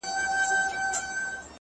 o په شاعرۍ کي رياضت غواړمه ـ